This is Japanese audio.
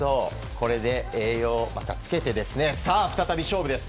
これで栄養をまたつけてさあ、再び勝負です。